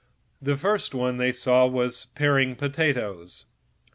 The first soldier they saw was peeling potatoes.